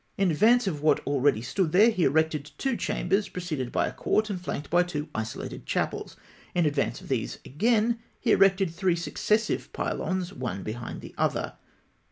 In advance of what already stood there, he erected two chambers, preceded by a court and flanked by two isolated chapels. In advance of these again, he erected three successive pylons, one behind the other.